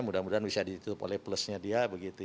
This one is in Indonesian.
mudah mudahan bisa ditutup oleh plusnya dia begitu